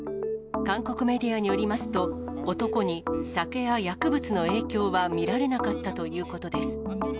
韓国メディアによりますと、男に酒や薬物の影響は見られなかったということです。